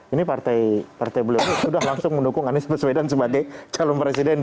ini partai beliau sudah langsung mendukung anies perswedan sebagai calon presiden dua ribu dua puluh empat